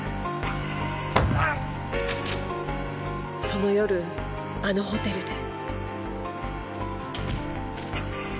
その夜あのホテルで。